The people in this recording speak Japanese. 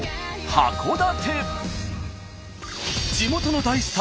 函館